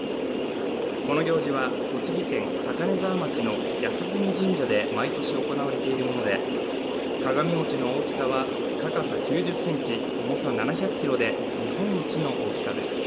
この行事は、栃木県高根沢町の安住神社で毎年行われているもので、鏡餅の大きさは高さ９０ｃｍ重さ７００ｋｇで日本一の大きさです。